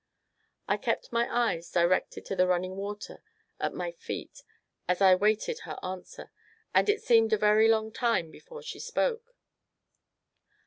I kept my eyes directed to the running water at my feet as I waited her answer, and it seemed a very long time before she spoke.